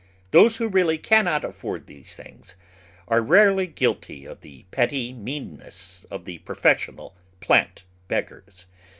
Those who really cannot afford these things are rarely guilty of the petty meanness of the pro fessional plant beggars.